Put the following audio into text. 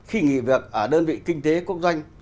khi nghỉ việc ở đơn vị kinh tế quốc doanh